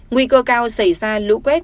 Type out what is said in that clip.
nguy cơ cao xảy ra lũ quét